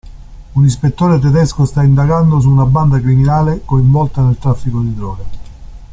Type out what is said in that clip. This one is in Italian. Un ispettore tedesco sta indagando su una banda criminale coinvolta nel traffico di droga.